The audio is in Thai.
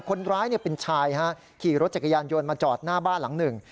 คนร้ายเป็นชายฮะขี่รถจักรยานยนต์มาจอดหน้าบ้านหลังหนึ่ง